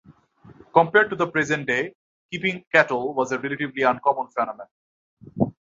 Compared to the present day, keeping cattle was a relatively uncommon phenomenon.